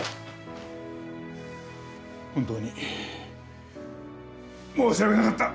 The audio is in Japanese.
本当に申し訳なかった！